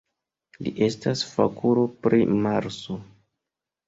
Li estas fakulo pri Marso.